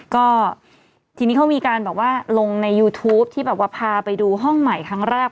ก็ที่นิเขามีการบอกว่าลงในยูทูปพาไปดูห้องใหม่ครั้งแรก